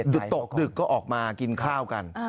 ตกดึกก็ออกมากินข้าวกัน